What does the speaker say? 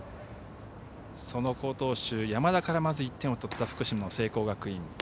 その好投手、山田からまず１点を取った福島、聖光学院。